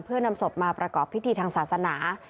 เพื่อนำศพมาประกอบพิธีทางศาสนา